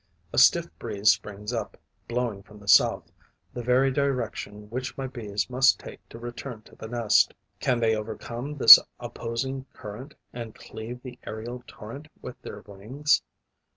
A stiff breeze springs up, blowing from the south, the very direction which my Bees must take to return to the nest. Can they overcome this opposing current and cleave the aerial torrent with their wings?